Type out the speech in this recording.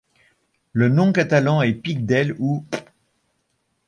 Le nom catalan est pic del ' ou '.